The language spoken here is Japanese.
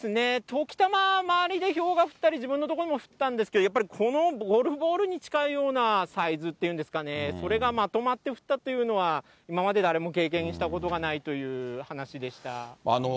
ときたま、周りでひょうが降ったり、自分のとこにも降ったんですけど、やっぱりこのゴルフボールに近いようなサイズっていうんですかね、それがまとまって降ったというのは、今まで、誰も経験したことがないという話でした。